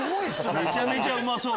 めちゃめちゃうまそう。